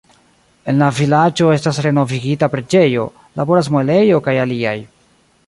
En la vilaĝo estas renovigita preĝejo, laboras muelejo kaj aliaj.